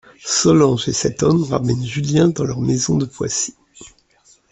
Solange et cet homme ramènent Julien dans leur maison de Poissy.